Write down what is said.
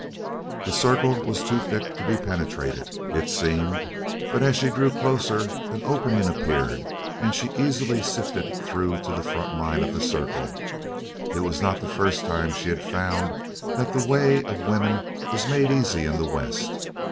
The circle was too thick to be penetrated, it seemed, but as she drew closer an opening appeared and she easily sifted through to the front line of the circle. It was not the first time she had found that the way of women is made easy in the West.